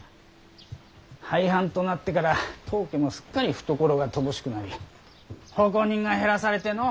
廃藩となってから当家もすっかり懐が乏しくなり奉公人が減らされてのう。